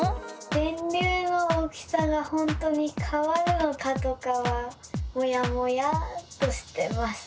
電流の大きさがほんとにかわるのかとかはモヤモヤっとしてます。